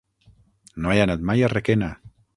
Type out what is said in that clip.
No he anat mai a Requena.